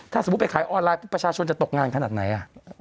ถ้าสมมุติไปขายออนไลน์ปุ๊บประชาชนจะตกงานขนาดไหน